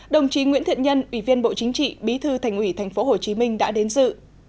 đồng chí nguyễn thiện nhân ủy viên bộ chính trị bí thư thành ủy tp hcm đã đến dự